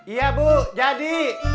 iya bu jadi